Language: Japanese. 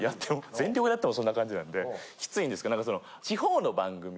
全力でやってもそんな感じなんできついんですけど。